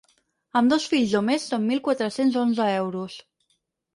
Amb dos fills o més són mil quatre-cents onze euros.